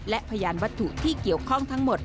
และพยานวัตถุที่เกี่ยวข้องทั้งหมด